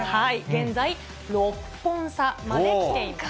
現在６本差まできています。